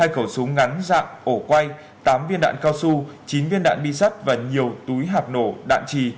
hai khẩu súng ngắn dạng ổ quay tám viên đạn cao su chín viên đạn bi sắt và nhiều túi hạt nổ đạn trì